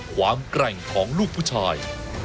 แกร่งของลูกผู้ชาย